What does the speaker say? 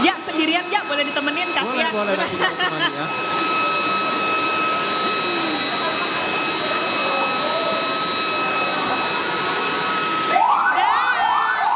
jak sendirian jak boleh ditemenin kasih ya boleh boleh